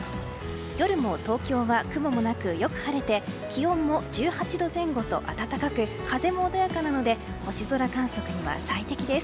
夜も東京は雲もなくよく晴れて気温も１８度前後と暖かく風も穏やかなので星空観測には最適です。